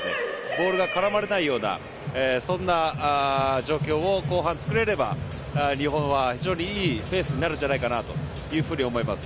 ボールに絡まれないようなそんな状況を後半作れれば日本はいいペースになるんじゃないかなと思います。